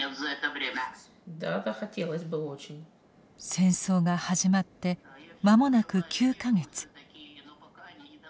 ☎戦争が始まって間もなく９か月。